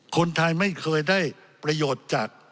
คนไทยไม่เคยได้ประโยชน์จาก